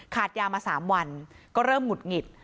ยามา๓วันก็เริ่มหุดหงิด